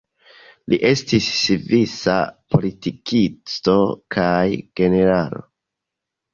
Li estis svisa politikisto kaj generalo.